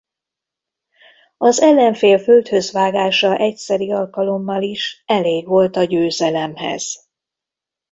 Az ellenfél földhöz vágása egyszeri alkalommal is elég volt a győzelemhez.